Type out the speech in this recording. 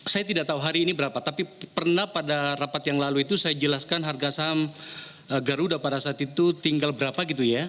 saya tidak tahu hari ini berapa tapi pernah pada rapat yang lalu itu saya jelaskan harga saham garuda pada saat itu tinggal berapa gitu ya